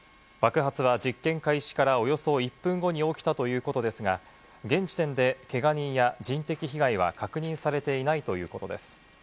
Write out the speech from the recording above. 爆発は実験開始からおよそ１分後に起きたということですが、現時点でけが人や人的被害は確認されていないということです。